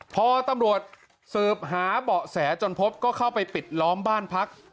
พอตำรวจสืบหาเบาะแสจนพบก็เข้าไปปิดล้อมบ้านพัก